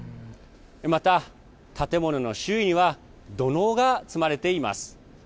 また、建物の周囲は土のうが積まれています。